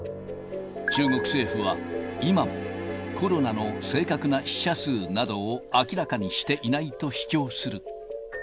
中国政府は、今もコロナの正確な死者数などを明らかにしていないと主張する。